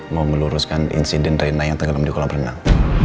mau meluruskan insiden rena yang tenggelam di kolam renang